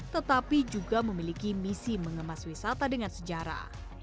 tetapi juga memiliki misi mengemas wisata dengan sejarah